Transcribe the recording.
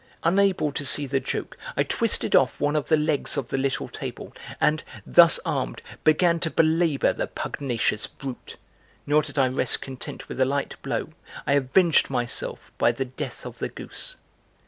Unable to see the joke, I twisted off one of the legs of the little table and, thus armed, began to belabor the pugnacious brute. Nor did I rest content with a light blow, I avenged myself by the death of the goose.